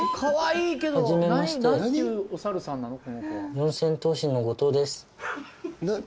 四千頭身の後藤です。